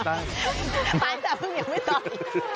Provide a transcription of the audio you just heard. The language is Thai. ตายแต่เพิ่งยังไม่ต่อย